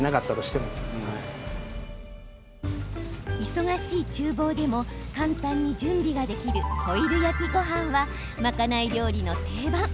忙しいちゅう房でも簡単に準備ができるホイル焼きごはんは賄い料理の定番。